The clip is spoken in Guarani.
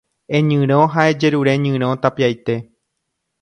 Eñyrõ ha ejerure ñyrõ tapiaite